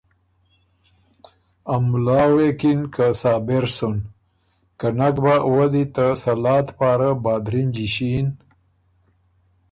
ا مُلا غوېکِن که صابر سُن، که نک بۀ وۀ دی ته سلاد پاره بادرِنجی ݭین